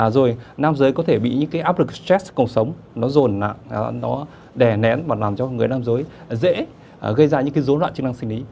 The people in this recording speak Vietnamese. rồi nam giới có thể bị những áp lực stress trong cuộc sống nó rồn nó đè nén và làm cho người nam giới dễ gây ra những dối loạn chức năng sinh lý